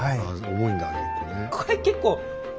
重いんだ結構ね。